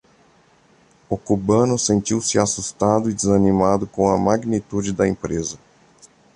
O cubano sentiu-se assustado e desanimado com a magnitude da empresa.